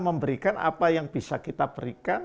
memberikan apa yang bisa kita berikan